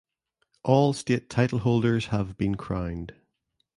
All state titleholders have been crowned.